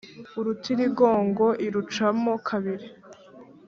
urutirigongo iruca mo kabiri